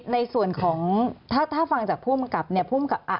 ในส่วนของถ้าฟังจากผู้มันกลับ